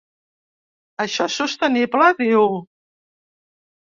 Això és sostenible?, diu.